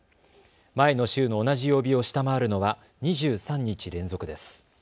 前の週の同じ曜日を下回るのは２３日連続です。